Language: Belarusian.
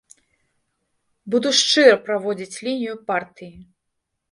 Буду шчыра праводзіць лінію партыі.